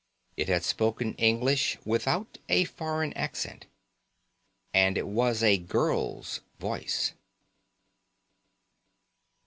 It had spoken English, without a foreign accent. And it was a girl's voice.